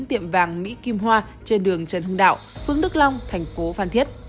tiệm vàng mỹ kim hoa trên đường trần hưng đạo phương đức long tp phàn thiết